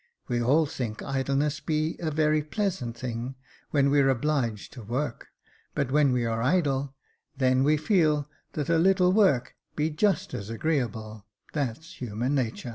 We all think idleness be a very pleasant thing when we're obliged to work, but when we are idle, then we feel that a little work be just as agreeable — that's human natur."